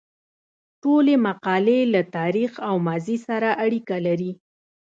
ټولې مقالې له تاریخ او ماضي سره اړیکه لري.